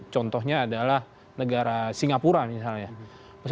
contohnya adalah negara singapura misalnya